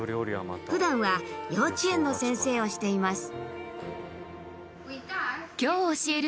ふだんは幼稚園の先生をしています。